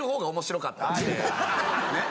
ねっ。